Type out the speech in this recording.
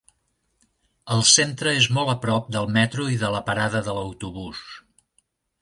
El centre és molt a prop del metro i de la parada de l'autobús.